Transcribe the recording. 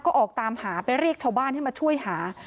ก็ออกตามหาไปเรียกชาวบ้านให้มาช่วยหา